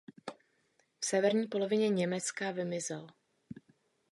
V severní polovině Německa vymizel.